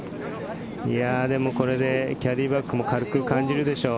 これでキャディーバックも軽く感じるでしょう。